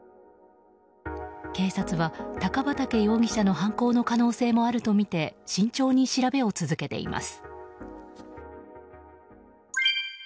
警察は高畠容疑者の犯行の可能性もあるとみて慎重に調べを続けています。